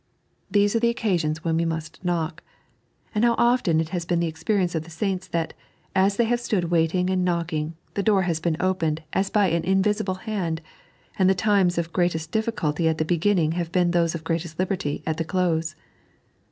These are the occasions when we must knock. And how often it has been the experience of the saints that, as they have stood waiting and knocking, the door has been opened as by an invisible hand, and the times of greatest difficulty at the beginning have been those of greatest liberty at the close!